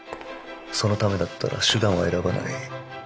そのためだったら手段は選ばない。